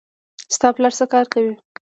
ستا پلار څه کار کوي